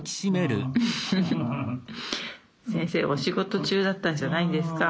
フフフ先生お仕事中だったんじゃないんですか？